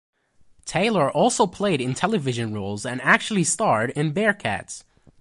Taylor also played in television roles and actually starred in Bearcats!